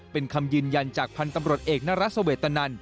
เป็นคำยืนยันจากพันธ์ตำรวจเอกนรัฐสเวตนัน